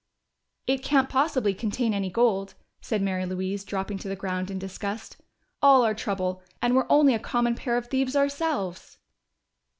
"It can't possibly contain any gold," said Mary Louise, dropping to the ground in disgust. "All our trouble and we're only a common pair of thieves ourselves!"